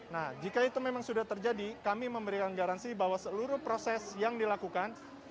nah jika itu memang sudah terjadi kami memberikan garansi bahwa seluruh proses yang dilakukan